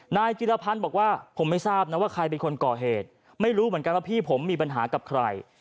นายจิรพันธ์บอกว่าผมไม่ทราบนะว่าใครเป็นคนก่อเหตุไม่รู้เหมือนกันว่าพี่ผมมีปัญหากับใคร